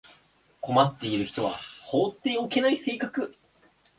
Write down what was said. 困っている人は放っておけない性格